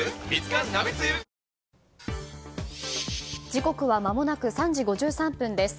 時刻は間もなく３時５３分です。